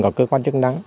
của cơ quan chức năng